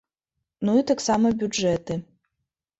Ну і таксама бюджэты.